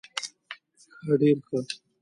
ښه ډير ښه